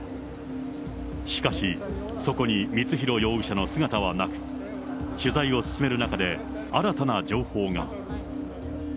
しかし、そこに光弘容疑者の姿はなく、取材を進める中で、新たな情報が。